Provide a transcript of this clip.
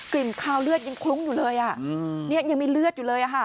กลิ่นข้าวเลือดยังคลุ้งอยู่เลยอ่ะอืมเนี้ยยังมีเลือดอยู่เลยอ่ะค่ะ